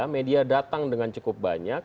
media datang dengan cukup banyak